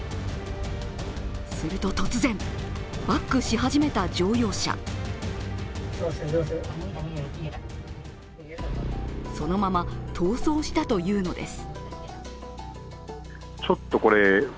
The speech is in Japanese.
すると突然、バックし始めた乗用車そのまま逃走したというのです。